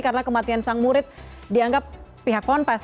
karena kematian sang murid dianggap pihak konfes